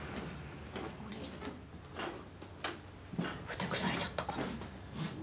ふてくされちゃったかな？